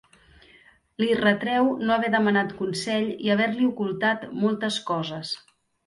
Li retreu no haver demanat consell i haver-li ocultat moltes coses.